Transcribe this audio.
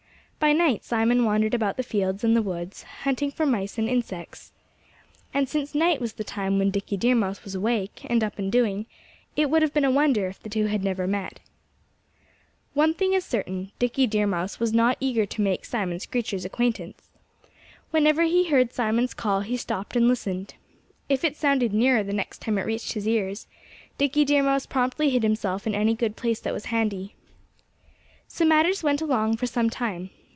By night Simon wandered about the fields and the woods, hunting for mice and insects. And since night was the time when Dickie Deer Mouse was awake, and up and doing, it would have been a wonder if the two had never met. One thing is certain: Dickie Deer Mouse was not eager to make Simon Screecher's acquaintance. Whenever he heard Simon's call he stopped and listened. If it sounded nearer the next time it reached his ears, Dickie Deer Mouse promptly hid himself in any good place that was handy. So matters went along for some time.